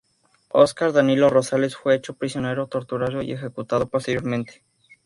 Óscar Danilo Rosales fue hecho prisionero torturado y ejecutado posteriormente.